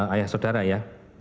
ayah saudara ya